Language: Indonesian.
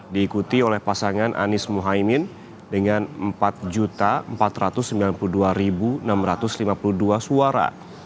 diikuti oleh pasangan anies mohaimin dengan empat empat ratus sembilan puluh dua enam ratus lima puluh dua suara